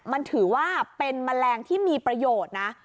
มันถือว่าเป็นแมลงที่มีประโยชน์นะ